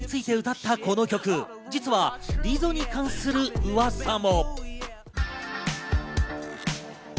うわさについて歌ったこの曲、実はリゾに関する噂も。